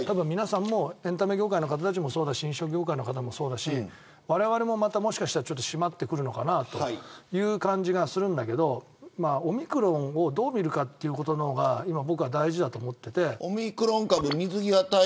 エンタメ業界の方も飲食業界もそうだしわれわれも、もしかしたら締まってくるのかなって感じがするんですけどオミクロンをどう見るかということの方が大事だと思っていて。